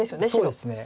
そうですね。